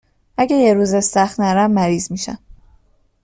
اگه یه روز استخر نرم مریض میشم